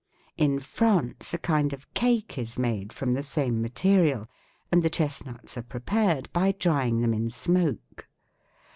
In France a kind of cake is made from the same material, and the chestnuts are prepared by drying them in smoke.